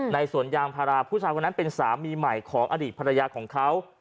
สวนยางพาราผู้ชายคนนั้นเป็นสามีใหม่ของอดีตภรรยาของเขา